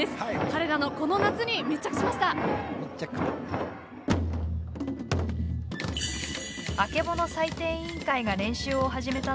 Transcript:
彼らのこの夏に密着しました。